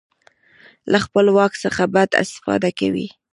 له خپل واک څخه بده استفاده کوي.